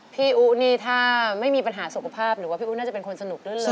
พี่อู๋นี้ถ้าไม่มีปัญหาสุขภาพหนูว่าพี่อู๋น่าจะเป็นคนสนุกเรื่องนั้น